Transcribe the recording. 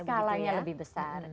skalanya lebih besar